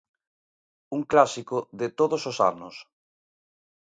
Un clásico de todos os anos.